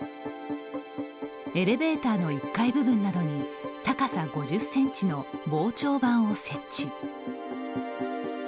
エレベーターの１階部分などに高さ５０センチの防潮板を設置。